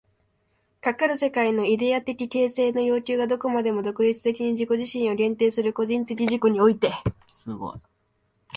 かかる世界のイデヤ的形成の要求がどこまでも独立的に自己自身を限定する個人的自己において、